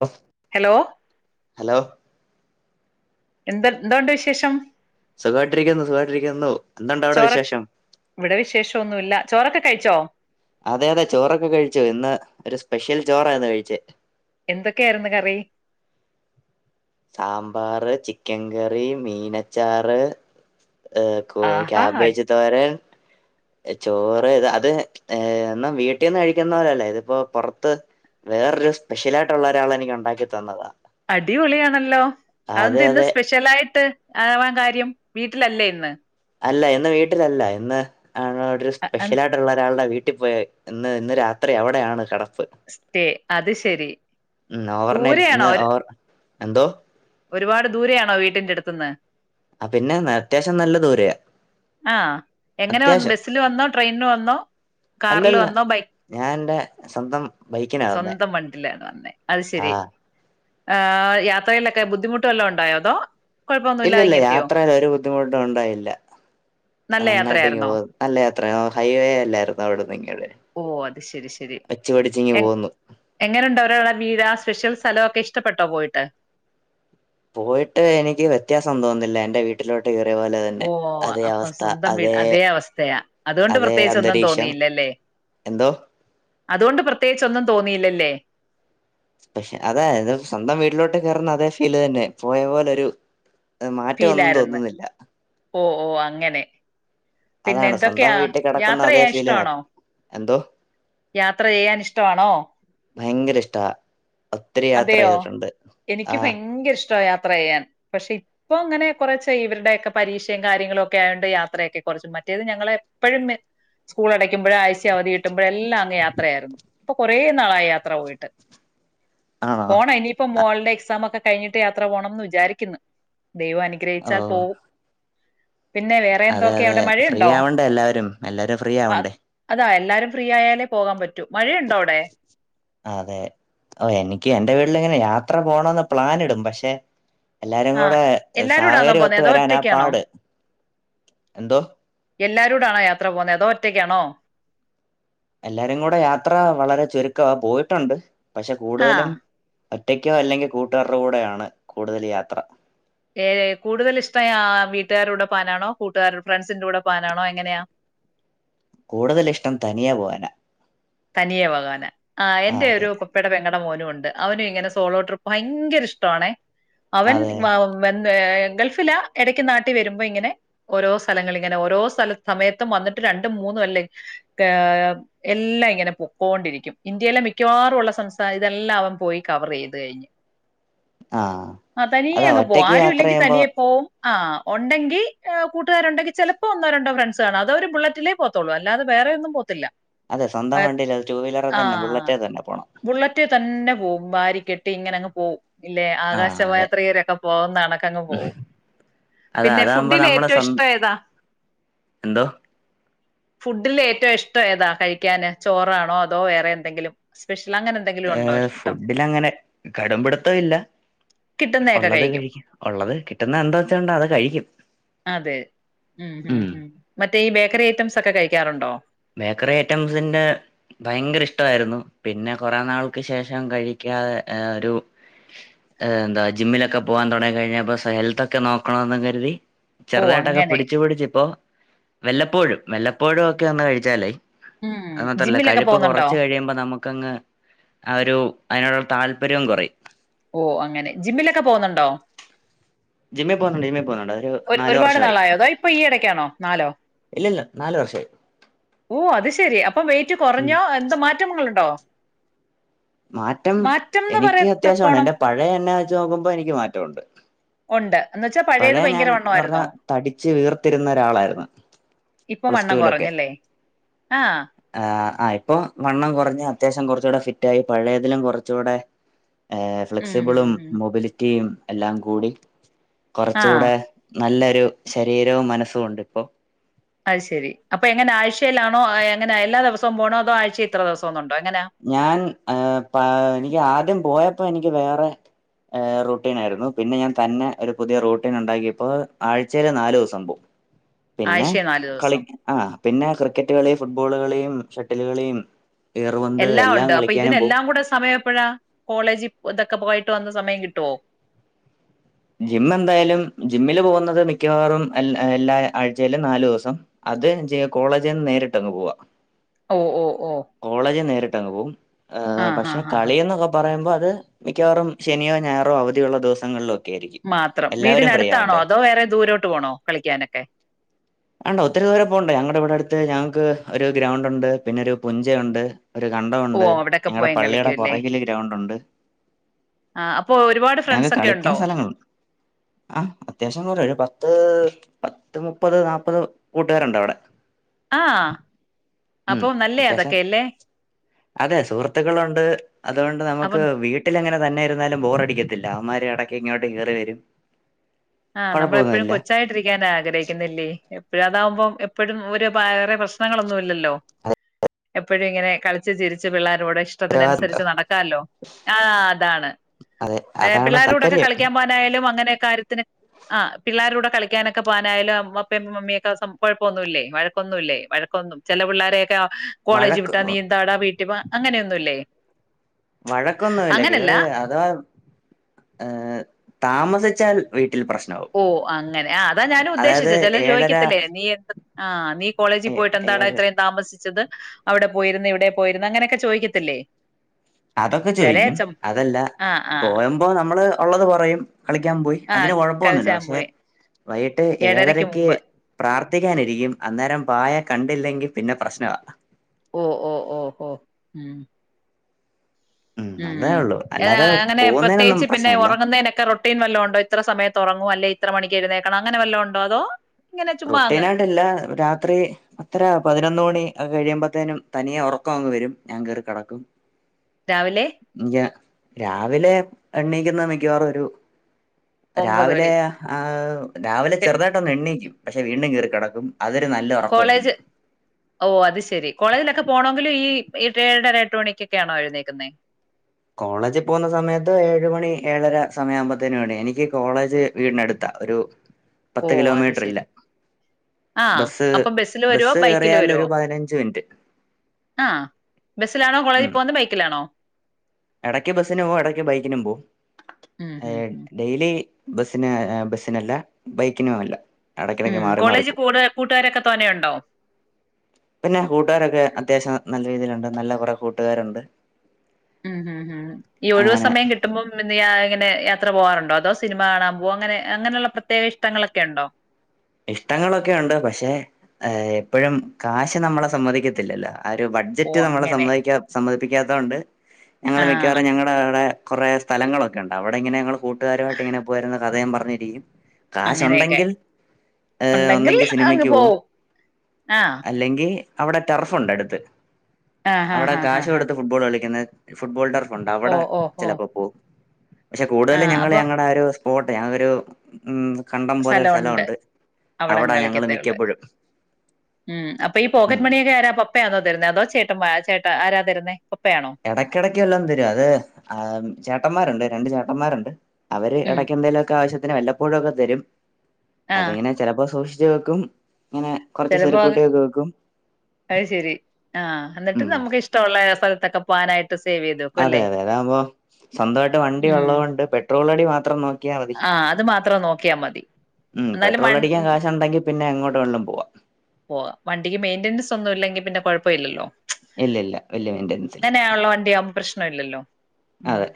[unintelligible] Hello hello. എന്താ എന്താണ്ട വിശേഷം സുഖമായിട്ടിരിക്കുന്നു സുഖമായിട്ടിരിക്കുന്നു എന്തുണ്ട് അവിടെ ചോറ വിശേഷം ഇവിടെ വിശേഷഒന്നുമില്ല ചോറക്ക കഴിച്ചോ? അതെ അതെ ചോറൊക്കെ കഴിച്ചു. ഇന്ന് ഒരു സ്പെഷ്യൽ ചോറായിന്ന് കഴിച്ചേ. എന്തൊക്കെ ആയിരുന്നു കറി. സാമ്പാറ്, ചിക്കൻകറി, മീനച്ചാറ്. ഏ ആഹാ അ- ക്യാബേജ് തോരൻ [inaudible] ചോറ് ഇത് അത് ഏ എന്നും വീട്ടിന്ന് കഴിക്കുന്ന പോലല്ലേ ഇതിപ്പോ പുറത്ത് വേറൊരു സ്പെഷ്യലായിട്ടുള്ള ഒരാള എനിക്ക് ഒണ്ടാക്കി തന്നതാ. അടിപൊളിയണല്ലോ അതന്ത് അതെ ഇന്ന് അതെ സ്പെഷ്യൽ ആയിട്ട് ആവാൻ കാര്യം. വീട്ടിലല്ലേ ഇന്ന്? അല്ല ഇന്ന് വീട്ടിലല്ല. ഇന്ന് ആ ഒരു അ- അ- സ്പെഷ്യലായിട്ടുള്ള ഒരാളുടെ വീട്ട ഇന്ന് ഇന്ന് രാത്രി അവിടെയാണ് കട സ്റ്റേ അത് ശരി ഉം ഓവർ നൈറ്റ്സ് ദൂരെയാണോ ഇന്ന് ഒരു- ഓർ എന്തോ ഒരുപാട് ദൂരയാണോ വീട്ടിൻ്റെടുത്ത്ന്ന്? ആ പിന്നെ അത്യാവശ്യം നല്ല ദൂരെയ. ആഹ് എങ്ങനെ വന്നു? ബസിൽ വന്നോ, ട്രെയിനിൽ വന്നോ, കാറില് അല്ലല്ല വന്നോ, ബൈക്ക് ഞാൻ എന്റെ സ്വന്തം ബൈക്കിനാ വന്നേ സ്വന്തം വണ്ടിലാണ് വന്നെ. അത് ശരി. ആഹ് ഈഹ് യാത്രയിലൊക്കെ ബുദ്ധിമുട്ടുവല്ലോം ഉണ്ടായോ? അതോ ഇല്ല കുഴപ്പമൊന്നുമില്ലാതെ ഇല്ല ഇങ്ങെത്തിയോ യാത്രയിൽ ഒരു ബുദ്ധിമുട്ടും ഉണ്ടായില്ല. നല്ല നന്നായിട്ട് ഇ യാത്രയായിരുന്നോ പോ നല്ല യാത്ര ഹൈവേ അല്ലായിരുന്നു അവിടെന്നിങ്‌വരെ. ഓ അത് വച്ച്പിടിച്ചിങ്‌ പോന്നു. എങ്ങനുണ്ട് അവരടെ വീര സ്പെഷ്യൽ സ്ഥലോക്കെ ഇഷ്ടപ്പെട്ടോ പോയിട്ട്? പോയിട്ട് എനിക്ക് വ്യത്യാസം തോന്നുന്നില്ല. എൻറെ വീട്ടിലോ പോലെ ഓ തന്നെ അതേ അപ്പൊ അവസ്ഥ, സ്വന്തം വീട് അതേ അവസ്ഥയാ അതുകൊണ്ട് അതേ പ്രത്യേകിച്ചൊന്നും അന്തരീക്ഷം. തോന്നിയില്ലല്ലേ എന്തോ? അതുകൊണ്ട് പ്രത്യേകിച്ചോന്നും തോന്നിയില്ലല്ലേ. പക്ഷെ അതാ ഇത് സ്വന്തം വീട്ടിലോട്ട് കയറുന്ന അതേ ഫീല് തന്നെ പോയ പോലെരു മാറ്റം ഒന്നും ഫീലായിരുന്നു തോന്നുന്നില്ല ഓ ഓ അങ്ങനെ പിന്നെ അതാണ് എന്തൊക്കെയാ സ്വന്തം വീട്ടിൽ യാത്ര കിടക്കുന്ന അതേ ചെയ്യാൻ ഫീലിനാ ഇഷ്ടാണോ എന്തോ യാത്ര ചെയ്യാൻ ഇഷ്ടമാണോ ഭയങ്കര ഇഷ്ട അതെയോ എനിക്ക് ആഹ് ഭയങ്കര ഇഷ്ട യാത്ര യാത്ര ചെയ്യാൻ പക്ഷെ ഇപ്പൊ അങ്ങനെ കുറച്ച് ഇവരുടെ ഒക്കെ പരീക്ഷയും കാര്യങ്ങളും ഒക്കെ ആതുകണ്ട് യാത്രയൊക്കെ കുറച്ച്റ്റ മറ്റേത് ഞങ്ങള എപ്പോഴും സ്കൂൾ അടക്കുമ്പോഴ ആഴ്ച അവധി കിട്ടുമ്പോഴ എല്ലാം അങ്ങ് യാത്രയായിരുന്നു ഇപ്പൊ കുറേ നാളായി യാത്ര പോയിട്ട് ആണോ പോണ ഇനിയിപ്പം മോളിന്റെ എക്സാമൊക്കെ കഴിഞ്ഞിട്ട് യാത്ര പോണംന്ന് വിചാരിക്കുന്നു ദൈവം ഓ അനുഗ്രഹിച്ചാൽ പോവും പിന്നെ വേറെ അതെ എന്തൊക്കെ അതെ അവിടെ ഫ്രീ മഴയുണ്ടോ ആവണ്ടേ എല്ലാവരും എല്ലാരും ഫ്രീ ആവണ്ടേ അതായ എല്ലാരും ഫ്രീ ആയാലേ പോകൻ പറ്റും അതെ ഓ എനിക്ക് എൻ്റെ വീട്ടിൽ ഇങ്ങനെ യാത്ര പോകണന്ന് പ്ലാനിടും പക്ഷെ എല്ലാരും ആ കൂടെ എല്ലാരൂടാന്നോ സാഹചര്യം പോന്നേ ഒത്ത് അതോ ഒറ്റയ്ക്കാണോ വരാനാപാട് എന്തോ എല്ലാരോടാണോ യാത്ര പോകുന്നത് ഏതോ ഒറ്റക്കാണോ എല്ലാരും കൂടെ യാത്ര വളരെ ചുരുക്കമാ പോയിട്ടുണ്ട് പക്ഷെ ആ കൂടുതലും ഒറ്റയ്ക്കോ അല്ലെങ്കിൽ കൂട്ടുകാരുടെോ കൂടെയണ് കൂടുതൽ യാത്ര ഏ കൂടുതൽ ഇഷ്ടം വീട്ടുകാരുടെ പോവാനാണോ കൂട്ടുകാരു ഫ്രണ്ട്സിന്റെറെ കൂടെ പോവാനാണോ എങ്ങനെയാ [inaudible] കൂടുതൽ ഇഷ്ടം തനിയാ പോവാനാ തനിയ പോകാനാ ആ എന്റെ ഒരു പപ്പയുടെ പെ മോനും ഉണ്ട് അവനും ഇങ്ങനെ സോളോ ട്രിപ്പ് ഭയങ്കര ഇഷ്ടണ അവൻ അതെ വ ഗൾഫില ഇടക്ക് നാട്ടി വരുമ്പോ ഇങ്ങനെ ഓരോ സ്ഥലങ്ങള ഇങ്ങനെ ഓരോ സ്ല സമയും വന്നിട്ട് രണ്ടും മൂന്നും അല്ലേ എല്ല ഇങ്ങനെ പൊക്കൊണ്ടിരിക്കും ഇന്ത്യയിലെ മിക്കവാറുംുള്ള സംസ്ഥാനം ഇതെല്ലാം അവൻ പോയി കവർ ചെയ്ത് കഴിഞ്ഞഞ് ആഹ് ആ തനിയേ അതാ അങ്ങ് പോവും ഒറ്റയ്ക്ക് ആരും യാത്ര ഇല്ലെങ്കിൽ ചെയ്യുമ്പോ തനിയെ പോവും ആ് ഉണ്ടെങ്ക കൂട്ടുകാാരണ്ടെങ്ക ചിലപ്പോൾ ഒന്നോ രണ്ടോ ഫ്രണ്ട്സ് കാണോ അതോ ഒരു ബുള്ളറ്റിലേ പോത്തോുള്ളൂ അല്ലാതെ വേറെ വേറെ ഒന്നും പോത്തില്ല അതെ സ്വന്തം വണ്ടിയി അത് ടു വീലർ ആ തന്നെ ബുള്ളറ്റ്റ്റ തന്നെ പോകണം ബുള്ളറ്റ് തന്നെ പോകും വരി കെട്ട് ഇങ്ങനെ അങ്ങ് പോവും ഇല്ലെ ആഹ് അതെ ആകാശവായാത്രരിരൊക്കെ പോകുന്നണക്കങ്ങ് പോകവും അത പിന്നെ ഫുഡില് ഏറ്റവും ഇഷ്ടം ഏതാ എന്താ ഫുഡില് ഏറ്റവും ഇഷ്ടം ഏതാ കഴിക്കൻ ചോറാണോ അതോ വേറെ എന്തെങ്കിലും സ്പ്യൽ ഏർ ഫുഡില അങ്ങനെ കടുംപിടിത്തം ഇല്ല ഉള്ളത് കഴിക്കും ഉള്ളത് കിട്ടുന്ന എന്താ വെച്ചണ്ട അത് കഴിക്കും അതെ ഉ ഹു ഉം ഹും ഹ മറ്റേ ഈ ബേക്കറി ഐറ്റംസ് ഒക്കെ കഴിക്കാറുണ്ടോ ബേക്കറി ഐറ്റംസിന്റെ ഭയങ്കര ഇഷ്ടമായിരുന്നു പിന്നെ കുറെേ നാൾക്ക് ശേഷം കഴിക്കാതെ ഒരു എന്താ ജിമ്മിലൊക്കെ പോവാാൻ തുടങ്ങി കഴിഞ്ഞപ്പോ ഹെൽത്ത് ഒക്കെ നോക്കണന്ന് കരുതി ഓ ചെറുതായിട്ടൊക്കെ അങ്ങനെ പിടിിച്ചു പിടിച്ച ഇപ്പോ വെല്ലപ്പോഴും വെല്ലപ്പോഴും ഒക്കെ വന്ന് കഴിച്ചാലേ ഉം അത് മാത്രല്ല ജിമ്മിലൊക്കെ കഴുപ്പ് പോകുന്നുണ്ടോ കുറച്ച് കഴിയുമ്പോ നമുക്ക്ങ്ങ് ആ ഒരു അതിനോട താല്പര്യം കുറയും ഓ അങ്ങനെ ജിമ്മിലൊക്കെ പോുന്നുണ്ടോ? ജിം പോന്നോണ്ട് ജിം പോന്നോണ്ട് ഒരുപാട് നാളായോ അതാ ഇപ്പൊ ഈ ഇടക്കാണോ നാലോ ഇല്ലില്ല നാല് വർഷമായി ഓ അത് ശരി അപ്പൊ വെയിറ്റ് ഉം കുറഞ്ഞോ എന്താ മാറ്റങ്ങളുണ്ടോ മാറ്റം മാറ്റംന്ന് എനിക്ക് അത്യാവശ്യമാണ് പറയത്തക്കോണം എറെ പഴയ എന്നെ വച്ച് നോക്കുമ്പോ എനിക്ക് മാറ്റമുണ്ട് ഉണ്ട് എന്ന് വെച്ചാ പഴയത് പഴയ ഞാൻ ഭയങ്കര പറഞ്ഞ വണ്ണമായിരുന്നോ തടിച്ച്ു വീർത്തിരുന്ന ഒരാളായിരുന്നു ഇപ്പൊ വണ്ണം കുറഞ്ഞല്ലേ ആഹ ആഹ ആ് ഇപ്പൊ വണ്ണം കുറഞ്ഞഞ് അത്യാവശ്യം കുറച്ചൂടെ ഫിറ്റ് ആയി പഴയതിലും കുറച്ചുകൂടെ ഉം ഉം ഫ്ലെക്സിബിളും ഉം മൊബിലിറ്റിയും എല്ലാം കൂടി ആഹ് കുറച്ചുകൂടെ നല്ലൊരു ശരീരവും മനസ്സും ഉണ്ട് ഇപ്പോൊ അത് ശരി അപ്പൊ എങ്ങനെ ആഴ്ചയിലാണോ എങ്ങനെ എല്ലാ ദിവസവും പോണോ അതോ ആഴ്ച ഇത്ര ദിവസം ഒന്നും ഉണ്ടോ ഞാൻ ഏ പ എനിക്ക് ആദ്യം പോയപ്പോ എനിക്ക് വേറെ റൂട്ടീൻ ആായിരുന്നു പിന്നെ ഞാൻ റൂട്ടിൻ ആയിരുന്നു പിന്നെ തന്നെ ഒരു പുതിയ റൂട്ടീൻ ഉണ്ടാക്കിയപ്പോൊ ആഴ്ചയില് നാു ദിവസം പോവും പിന്നെ ആഴ്ചയിൽ നാല് കളി ദിവസം ആ പിന്നെ ക്രിക്കറ്റ് കളി ഫുട്ബ ഫബോളുകളെയും ഷട്ടലുകളെയും എല്ലാം ഉണ്ട് അപ്പൊ ഇതിനെല്ലാം കൂടെ സമയം എപ്പഴാ കോളേജ് ഇതൊക്കെ ഒക്കെ പോയിട്ട് വന്ന സമയം കിട്ടുവോ ജിം എന്തായാലും ജിമ്മില് പോകുന്നത് മിക്കവാറും എല്ലാ ആഴ്ചയിലും നാാലു ദിവസം അത് കോളേജിൽ നിന്ന് നേരിട്ട് അങ്ങ് പോവാ ഓ ഓ ഓ കോളേജ് നേരിട്ട്ങ്ങ് പോും ആഹ് പക്ഷെ ആഹ് ആഹ് കളി എന്നൊക്കെ പറയുമ്പോ അത് മിക്കവാറും ശനിയോ ഞായറോ അവധിയുള്ള ദിവസങ്ങളിലോ മാത്രം വീടിനടുത്താണോ അതോ വേറെ ദൂരോട്ട് പോണോ കളിക്കാനൊക്കെ അണ്ട ഒത്തിരി ദൂരം പോണ്ട ഞങ്ങളുടെ ഇവിടെ അടുത്ത് ഞങ്ങക്ക് ഒരു ഗ്രൗണ്ട് ഉണ്ട് പിന്നെൊ ഒരു പുഞ്ച ഉണ്ട് ഒരു ഓ കണ്ടമുണ്ട് അവിടൊക്കെ ഞങ്ങളടെ പോയും പള്ളിയുടെ കളിക്കും അല്ലേ പുറകില് ഗ്രൗണ്ട് ഉണ്ട് ആഹ് അപ്പൊ ഒരുപാട് ഫ്രണ്ട്സ് ഞങ്ങക്ക് ഒക്കെ കളിക്കാൻ ഉണ്ടോ സ്ഥലങ്ങളുണ്ട് ആ അത്യാവശ്യം നൂറ ഒരു പത്ത് പത്ത് മുപ്പത് നാല്പ്പത് കൂട്ടുകാരുണ്ട് അവിടെ ആഹ ഉം അപ്പൊ നല്ലേ അത്യാവശ്യം അതൊക്കെ അല്ലേ? അതെ സുഹൃത്തുക്കളുണ്ട് അതുകൊണ്ട് നമുക്ക് അപ്പം വീട്ടില ങ്ങനെ തന്നെ. ന്നാലും ബോറടിക്കത്തില്ല അവന്മാർ ഇടക്ക ഇങ്ങോട്ട് കേറി വരും. ആഹ നമ്മളെപ്പോഴും കുഴപ്പമൊന്നുമില്ല കൊച്ചായിട്ടിരിക്കൻ ആഗ്രഹിക്കുന്നില്ലേ? പിപ്പോ അതാകുമ്പോ എപ്പോഴും ഒരു വേറെ പ്രശ്നങ്ങളൊന്നും ഇല്ലല്ലോ? ആ എപ്പോഴും ഇങ്ങനെ കളിച്ചു ചിരിച്ച് പിള്ളേരു കൂടെ ഇഷ്ടത്തിന അനുസരിച്ച് ഉത്തരവാദിത്വം നടക്കാലോ ആ അതാണ്. അതെ ഏ അതാണ് പിള്ളേടെ കൂടെൊക്കെ താല്പര്യം കളിക്കാൻ പോവാനായാലും അങ്ങനെ കാര്യത്തിന്. പിള്ളോരടെ കൂടെ കളിക്കാനൊക്കെ പോകാനായാലും അപ്പുംമ്മിയൊക്കെ കൊഴപ്പമൊന്നുമ ഇല്ലേ വഴക്കൊന്നുമില്ലല്ലേ വഴക്കൊന്നും ഇല്ലേ? ചില പിള്ളാരെയൊക്കെ കോളേജ് വഴക്ക് വിട്ടാ നീന്താടാ വീട്ട അങ്ങനെയൊന്നുംല്ലേ? വഴക്കൊന്നുമല്ല കയറി അഥവാ ഏ താമസിച്ചാൽട്ട. ഓ അങ്ങനെ ആ അതാ ഞാനൻ അതായത് ഉദ്ദേശിച്ചത് ചില ഏഴര ചോദിക്കത്തില്ലേ നീ എ ആ നീ. കോളേജിൽ ഏ പോയിട്ട് എന്താടാ ഏഴ് ഇത്രയും താമസിച്ചത്? അവിടെ പോയിരുന്നു ഇവിടെ പോയിരുന്നു അങ്ങനെയൊക്കെ ചോദിക്കത്തില്ലേ? അതൊക്കെ ചെല ചോയിക്കും അച്ചൻ അതല്ല ആഹ് ആഹ് പോയുമ്പോ നമ്മള് ഉള്ളത് കുറയും. കളിക്കാൻ പോയി ആഹ് അതിന് കൊഴപ്പൊന്നുമില്ല കളിച്ചാൻ പക്ഷെ. പോയി വൈകിട്ട് ഏഴരക്ക് പ്രാർത്ഥിക്കാനിരിക്കും അന്നേരം പായ. കണ്ടില്ലെങ്കിൽ പിന്നെ പ്രശ്നമാ. ഓ ഓ ഓ ഓ ഹം. ഉം മ് അതേ ഉള്ളൂ അല്ല അല്ലാതെ അങ്ങനെ പോകുന്നതിനൊന്നും പ്രത്യേകിച്ച് പിന്നെ പ്രശ്നമില്ല ഉറങ്ങുന്നതിനൊക്കെ റൊട്ടീൻ വല്ലതമ ഉണ്ടോ ഇത്ര സമയത്ത്? തുറങ്ങും അല്ലേ ഇത്ര മണി എഴുന്നേക്കണം അങ്ങനെ വല്ലതു ണ്ടോ അതോ? ഇങ്ങനെ ചുമ്മാ അങ്ങ് റുട്ടീന ആായിട്ടല്ല രാത്രി അത്ര പതിനൊന്ന് മണി. ക്കെ കഴിയുമ്പോത്തേനും തനിയെ ഉറക്കം അങ്ങ് വരും ഞാൻ കയറ കിടക്കും. രാവിലെ ഇഞ രാവിലെ എണ്ണീയിക്കുന്ന മിക്കവാറും ഒരു ഒമ്പത് രാവിലെ മണി ആ് രാവിലെ എ- ചെറുതായിട്ടൊന്ന് എണ്ണയിക്കും പക്ഷെ വീണ്ടും കീറ കിടക്കും. കോളേജ് ഓ അത് ശെരി കോളേജിലൊക്കെ പോണമെങ്കിലും ഈ ഏഴര എട്ട് മണിക്കൊക്കെയാണോ എഴുന്നേക്കുന്നെ? കോളേജ് പോകുന്ന സമയത്ത് ഏഴ മണി ഏഴര സമയയാവുമ്പോത്ത്ന് എണീ എനിക്ക് കോളേജ് വീടിന ടുത്ത- ഒരു ഓ പത്ത് അത് കിലോമീറ്റർ ഇല്ല. ശെരി ആഹ് ബസ്സ് അപ്പം ബസ്സില് വരുവോ ബസ്സ് ഏറിയൽ ഒരു പതിനഞ്ച് മിനിറ്റ്. ആ ബസ്സിലാണോ കോളേജിൽ പോകുന്നത് ബൈക്കിലാണോ? ഇടക്ക് ബസ്സിനും പോ ഇടക്ക് ബൈക്കിനും പോ ഉം ഉം ഉം ഡെയിലി- ബസ്സിനന് ബസ്സിനല്ല ബൈക്കിന അല്ല- മ് എടയ്ക്കെടയ്ക്ക് മാറി മാറി കോളേജ് പോവും കൂട് കൂട്ടുകാരൊക്കെ. തോനെയുണ്ടോ? പിന്നെ കൂട്ടുകാരൊക്കെ അത്യാവശ്യം നല്ല രീതിയിലുണ്ട്. നല്ല കുറെ കൂട്ടുകാരുണ്ട്. ഉം ഹം ഉം ഈ ഒഴിവു അങ്ങനെ സമയം കിട്ടുമ്പോം പി ഇങ്ങനെ- യാത്ര പോകാറുണ്ടോ? അതോ സിനിമ കാണാൻ പോക. അങ്ങനെ അങ്ങനെയുള്ള പ്രത്യേക ഇഷ്ടങ്ങളൊക്കെ ഉണ്ടോ? ഇഷ്ടങ്ങളൊക്കെ ഉണ്ട് പക്ഷെ എപ്പോഴും കാശ് നമ്മളെ സമ്മതിക്കത്തില്ലല്ലോ? ആ ഒരു ഓ ബഡ്ജറ്റ് നമ്മളെ അങ്ങനെ സമ്മ സമ്മതിപ്പിക്കാത്ത കൊണ്ട് ഞങ്ങള്ൾ ആഹ് മിക്കവാറും ഞങ്ങളുടെ അവിടെ- കുറെേ സ്ഥലങ്ങളൊക്കെ ഉണ്ട് അവിടെങ്ങനെഞങ്ങങ്ങള് കൂട്ടുകാരുമായിട്ട് ഇങ്ങനെ പോയിരുന്ന കഥ യും പറഞ്ഞിരിക്കും. അങ്ങനെയൊക്കെ കാശ്ണ്ടെങ്കിൽ ഏ ഉണ്ടെങ്കിൽ ഒന്നെങ്കിൽ അങ്ങ് സിനിമക്ക് പോവും ആഹ് അല്ലെങ്കിൽ- അവിടെ ടെർഫുണ്ട് അടുത്ത് ആഹ് ഹാ അവിടെ ഹാ ഹാ കാശ ഹാ കൊടുത്ത് ഫുട്ബോൾ കളിക്കുന്ന- ഫുട്ബോൾ ടർഫുണ്ട് ഓ അവിടെ ഓ ഓ ചിലപ്പോ പോകും പക്ഷെ കൂടുതലും ആഹ് ഞങ്ങള്ൾ അപ്പൊ ഞങ്ങളുടെ ആ ഒരു സ്പോട്ട് ഞ ഒരു ഉ കണ്ടം പോലെ സ്ഥലമുണ്ട്. അവിട അവിടാ ഞങ്ങള് കളിക്കത്തേ ഉള്ളു. മിക്കപ്പോഴും മ് അപ്പൊ ഈ ഉം പോക്കറ്റ് മണിയൊക്കെ ആരാ പപ്പയാണോ തരുന്നേ അതോ ചേട്ട ചേ ആരാ തരുന്നേ? പപ്പയാണോ ഇടക്കിടക്ക് എല്ലന്ന് തരും അത് ആ ചേട്ടന്മാരുണ്ട് രണ്ട് ചേട്ടന്മാരുണ്ട്. അവര് ഉം ഇടയ്ക്ക എന്തേലുമൊക്കെ ആവശ്യത്തിന് വല്ലപ്പോഴുമൊക്കെ തരും ആഹ് അതിങ്ങനെ ചിലപ്പോ സൂക്ഷ- ജ് വെക്കും. ഇങ്ങനെ കുറച്ച് ചിലപ്പോ സ്വരുക്കൂട്ടിയൊക്കെ വെക്കും അത് ശരി ആഹ് ന്നിട്ട് ഉം നമുക്ക് ഇഷ്ടമുള്ള സ്ഥല- ക്കെ പോകാനായിട്ട്. അതെ അതെ അതാവകുമ്പോ. സ്വന്തമായിട്ട് വണ്ടി ഉം ഉള്ളതൊണ്ട് പെട്രോൾ അടി മാത്രം നോക്കിയാൽ മതി ആഹ് അത് മാത്രം നോക്കിയാ മതി ഉം എന്നാലും പെട്രോൾ വൺ അടിക്കാൻ കാശ ഉണ്ടെങ്കിൽ പിന്നെ എങ്ങോട്ട് വേണേലും പോവാം. പോഓ വണ്ടിക്ക് മെയിന്റനൻസ് ഒന്നും ഇല്ലെങ്കിൽ പിന്നെ കൊഴപ്പല്ലല്ലോ. ഇല്ല ഇല്ല വലിയ മെയിന്റനൻസ് ഇല്ല അങ്ങനെയ ആള്ള വണ്ടിആകുമ്പ പ്രശ്നം ഇല്ലല്ലോ. ഉം അതെ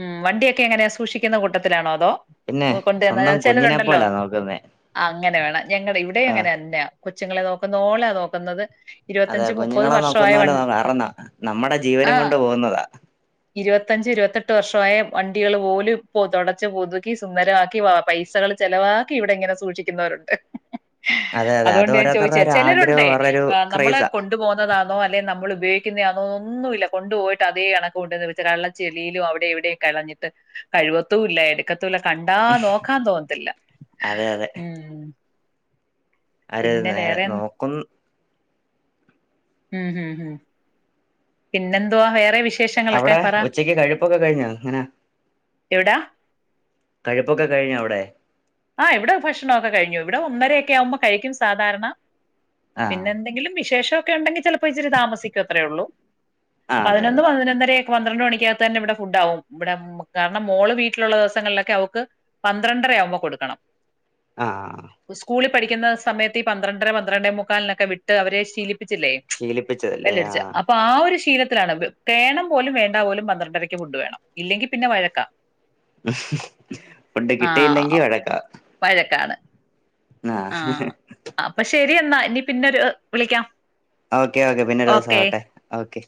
ഉം വണ്ടിയൊക്കെ എങ്ങനെയാ. സൂക്ഷിക്കുന്ന കൂട്ടത്തിലാണോ. അതോ. പിന്നെ കൊണ്ടുവന്ന സ്വന്തം കുഞ്ഞിനെ ചിലരുണ്ടല്ലോ പോലാ നോക്കുന്നേ അങ്ങനെ വേണം ഞങ്ങളുടെ ഇവിടെ ഇ ആ അങ്ങനെ തന്നെയ കൊച്ചുങ്ങളെ നോക്കുന്ന പോലെനോക്കുന്നത്. അതെ കുഞ്ഞുങ്ങളെ നോക്കുന്ന പോലെ അറന്നാ നമ്മുടെ ജീവനും ആഹ് കൊണ്ട് പോകുന്നതാ ഇരുപത്തഞ്ച് ഇരുപത്തെട്ട് വർഷമായ വ കുട്ടികൾ പോലും ഇ തുടച്ച് പുതുക്കി സുന്ദരമാക്കി. പൈസകൾ ചെലവാക്കി ഇവിടെ ഇങ്ങനെ സൂക്ഷിക്കുന്നവരുണ്ട്. അതെ അതെ അത് അതുകൊണ്ട് ഞാൻ ചോദിച്ച ഓരോരുത്തരുടെ ഒരു ആഗ്രഹം ചിലരുണ്ടേ. ഓരോരു നമ്മള് ക്രൈസാ കൊണ്ടു പോകുന്നതാണോ. അല്ലെ നമ്മൾ ഉപയോ ന്നുമല്ല കൊണ്ട പോയിട്ട് അതേ അണക്ക കൊണ്ടന്ന് ചളീൽ അടെവിടെയും കളഞ്ഞിട്ട് കഴിവത്തൂല്ല. എടുക്കത്തുല്ല. കണ്ടാ നോക്കാൻ തോന്നത്തില്ല. അതെ ഉ ആര നേ നോക്കും ഹം ഹും ഹ പിന്നെന്തോവാ വേറെ വിശേഷങ്ങളൊക്കെ അവിടെ പറ ഉച്ചക്ക് കഴിപ്പൊക്കെ കഴിഞ്ഞോ എങ്ങനെ എവിടാ കഴിപ്പൊക്കെ കഴിഞ്ഞോ അവിടെ ആ ഇവിടെ ഭക്ഷണമൊക്കെ കഴിഞ്ഞു ഇവിടെ ഒന്നര ആമ്പോ കഴിക്കും സാധാരണ ആഹ് പിന്നെന്തെങ്കിലും വിശേഷ ഒക്ക ഉണ്ടെങ്കിൽചിലപ്പോ. ഇച്ചി താമസിക്കും. അത്രേുള്ളൂ. ആ അതെ പതിനൊന്ന് അതെ പതിനൊന്നര പന്ത്രണ്ട് മണിക്കകത്ത് തന്നെ ഇവിടെ ഫുഡ് ആകും. ഇവിടെ കാരണം മോള് വീട്ടിലുള്ള ദിവസങ്ങളിലൊക്കെ അവക്ക് പന്ത്രണ്ട്. രയാവുമ്പ കൊടുക്കണം ആഹ് സ്കൂളിൽ പഠിക്കുന്ന സമയത്ത് ഈ പന്ത്രണ്ടര പന്ത്രണ്ടേ മുക്കാലിനൊക്കെ വിട്ട് അവരെ ശീലപ്പ ച്ചില്ലെ ശീലിപ്പിച്ചതല്ലേ വെല്ലടിച്ച ആഹ് ആ ഒരു ശീലത്തിലാണ് വേണം പോലും വേണ്ട പോലും പന്ത്രണ്ടരക്ക് ഫുഡ് വേണം ഇല്ലെങ്കിൽ പിന്നെ വഴക്കാം ഉം ഫുഡ് കിട്ടിയില്ലെങ്കി ആഹ് വഴക്ക വഴക്കാണ് ആഹ് അപ്പൊ ശരി എന്ന എന്നാ ഇനി പിന്നെരു വിളിക്കാം ഓക്കെ ഓക്കെ പിന്നെ ഒരു ദിവസം ഓക്കെ ആട്ടെ ഓക്കെ